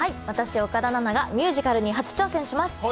私、岡田奈々がミュージカルに初挑戦します。